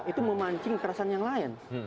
itu memancing kerasan yang lain